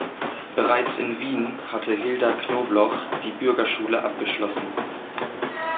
Bereits in Wien hatte Hilda Knobloch die Bürgerschule abgeschlossen.